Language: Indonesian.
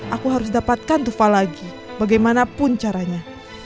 aku harus dapatkan tufa lagi bagaimanapun caranya